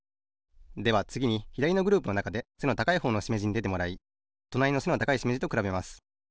ではつぎにひだりのグループのなかで背の高いほうのしめじにでてもらいとなりの背の高いしめじとくらべます。